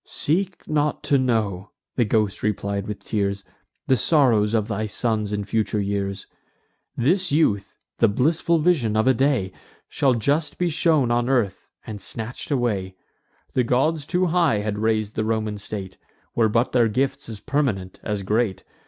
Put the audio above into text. "Seek not to know," the ghost replied with tears, "The sorrows of thy sons in future years. This youth (the blissful vision of a day) Shall just be shown on earth, and snatch'd away. The gods too high had rais'd the Roman state, Were but their gifts as permanent as great.